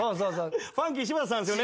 ファンキー柴田さんですよね？